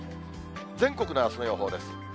全国のあすの予報です。